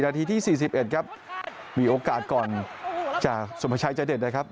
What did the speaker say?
ทีที่๔๑ครับมีโอกาสก่อนจากสุภาชัยใจเด็ดนะครับ